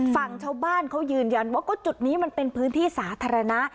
ฝั่งชาวบ้านเขายืนยันว่าก็จุดนี้มันเป็นพื้นที่สาธารณะ